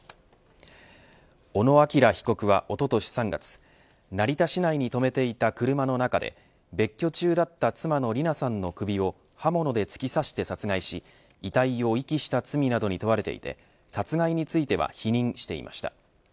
小野陽被告はおととし３月成田市内に停めていた車の中で別居中だった妻の理奈さんの首を刃物で突き刺して殺害し遺体を遺棄した罪などに問われていて殺害については否認していました。